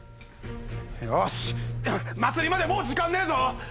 よし祭りまでもう時間ねえぞ！